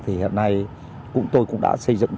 thì hiện nay tôi cũng đã xây dựng